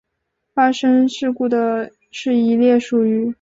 发生事故的是一列属于。